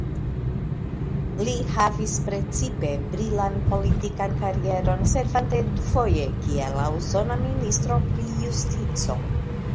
Li havis precipe brilan politikan karieron, servante dufoje kiel la usona ministro pri justico.